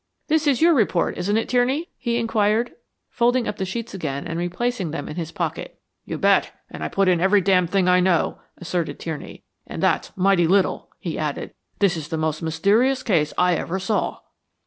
"This is your report, isn't it, Tierney?" he inquired, folding up the sheets again and replacing them in his pocket. "You bet; and I put into it every damned thing I know," asserted Tierney. "And that's mighty little," he added. "This is the most mysterious case I ever saw."